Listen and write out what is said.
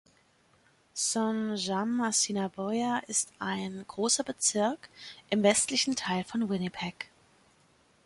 Saint James-Assiniboia ist ein großer Bezirk im westlichen Teil von Winnipeg.